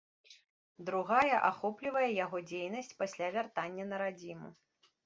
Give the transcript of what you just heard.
Другая ахоплівае яго дзейнасць пасля вяртання на радзіму.